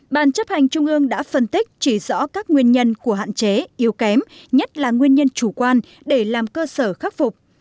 bàn chấp hành trung ương đã phân tích chỉ rõ các nguyên nhân của hạn chế yếu kém nhất là nguyên nhân chủ quan để làm cơ sở khắc phục